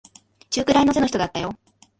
中くらいの背の人だったよ。